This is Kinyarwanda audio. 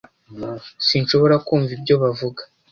Sinshobora kumva ibyo bavuga